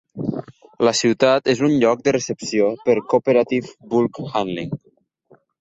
La ciutat és un lloc de recepció per Cooperative Bulk Handling.